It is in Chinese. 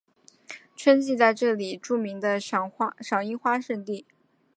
春季这里是著名的赏樱花胜地。